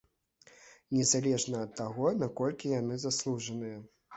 Незалежна ад таго, наколькі яны заслужаныя.